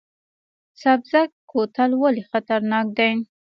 سبزک کوتل ولې خطرناک دی؟